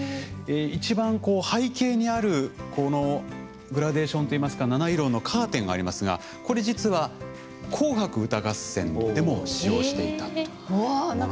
一番背景にあるこのグラデーションといいますか七色のカーテンがありますがこれ実は「紅白歌合戦」でも使用していたという。